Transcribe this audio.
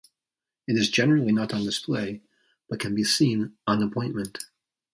It is generally not on display, but can be seen on appointment.